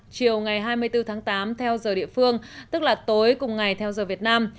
chiều ngày hai mươi bốn tháng tám theo giờ địa phương tức là tối cùng ngày theo giờ việt nam